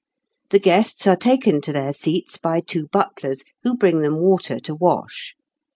The guests are taken to their seats by two butlers, who bring them water to wash.